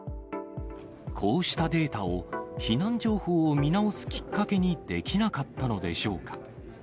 こうしたデータを、避難情報を見直すきっかけにできなかったのでしょうか。